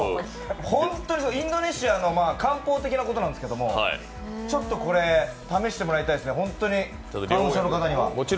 本当にインドネシアの漢方的なことなんですけど、これ試してもらいたいですね、本当に花粉症の方には。